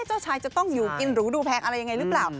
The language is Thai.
เจ้าชายจะต้องอยู่กินหรือดูแพลกอะไรอย่างไรรึเปล่า